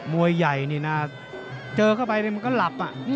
มวยใหญ่นี่นะเจอเข้าไปมันก็หลับ